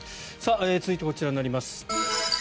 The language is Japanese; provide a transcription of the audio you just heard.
続いてこちらになります。